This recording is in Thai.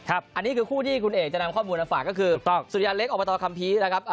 อันนี้คือคู่ที่คุณเอกจะนำข้อมูลมาฝากก็คือสุริยันเล็กอบตคัมภีร์นะครับ